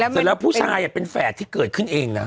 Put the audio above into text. เสร็จแล้วผู้ชายเป็นแฝดที่เกิดขึ้นเองนะ